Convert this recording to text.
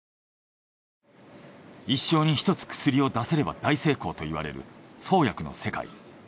一生に１つ薬を出せれば大成功といわれる創薬の世界。